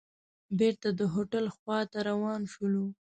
بېرته د هوټل خوا ته روان شولو.